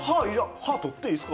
歯、取っていいですか？